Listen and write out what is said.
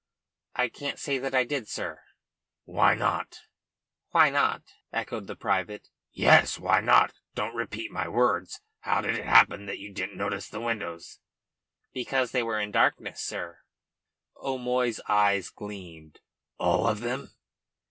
"I can't say that I did, sir." "Why not?" "Why not?" echoed the private. "Yes why not? Don't repeat my words. How did it happen that you didn't notice the windows?" "Because they were in darkness, sir." O'Moy's eyes gleamed. "All of them?"